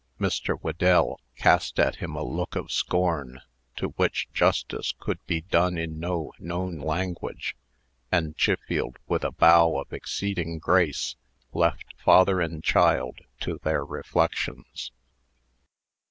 Mr. Whedell cast at him a look of scorn, to which justice could be done in no known language; and Chiffield, with a bow of exceeding grace, left father and child to their reflections.